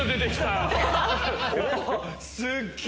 すっげぇ！